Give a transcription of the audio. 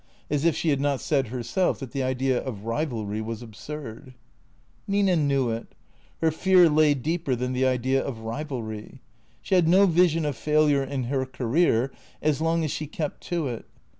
As if she had not said herself that the idea of rivalry was absurd. Nina knew it. Her fear lay deeper than the idea of rivalry. She had no vision of failure in her career as long as she kept to it.